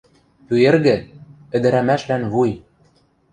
Пӱэргӹ — ӹдӹрӓмӓшлӓн вуй.